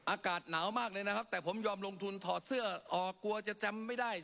อากาศหนาวมากเลยนะครับแต่ผมยอมลงทุนถอดเสื้อออกกลัวจะจำไม่ได้